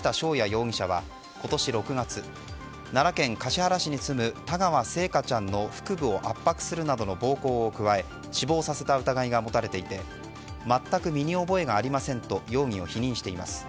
容疑者は今年６月、奈良県橿原市に住む田川星華ちゃんの腹部を圧迫するなどの暴行を加え死亡させた疑いがもたれていて全く身に覚えがありませんと容疑を否認しています。